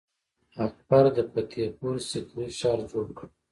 اکبر د فتح پور سیکري ښار جوړ کړ.